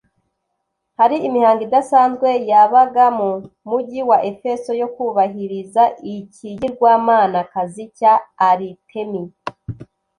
hari imihango idasanzwe yabaga mu mujyi wa Efeso yo kubahiriza ikigirwamanakazi cya Aritemi.